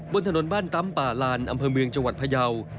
บนถนนบ้านตำป่าลานอำเภอเมืองจังหวัดพยาว